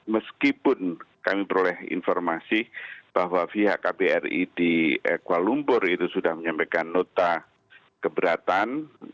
meskipun kami peroleh informasi bahwa pihak kbri di kuala lumpur itu sudah menyampaikan nota keberatan